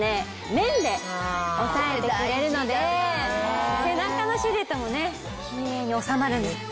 面でおさえてくれるので背中のシルエットもキレイに収まるんです。